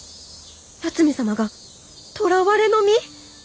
八海サマがとらわれの身！？